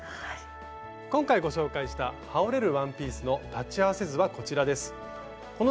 今回ご紹介したはおれるワンピースの裁ち合わせ図はこちらです。